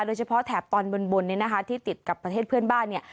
แถบตอนบนบนเนี่ยนะคะที่ติดกับประเทศเพื่อนบ้านเนี่ย